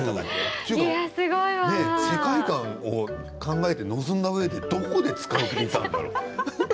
世界観を考えて臨んだうえでどこで使うんだろう？